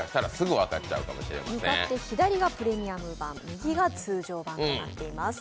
向かって左側がプレミアム版、右が通常版となっています。